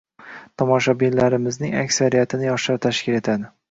Tomoshabinlarimizning aksariyatini yoshlar tashkil etadi